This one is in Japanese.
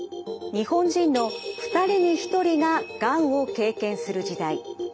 日本人の２人に１人ががんを経験する時代。